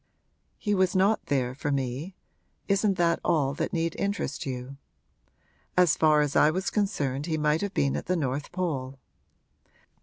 He was not there for me isn't that all that need interest you? As far as I was concerned he might have been at the North Pole.